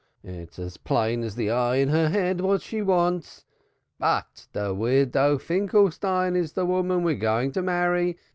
It's plain as the eye in her head what she wants. But the Widow Finkelstein is the woman we're going to marry.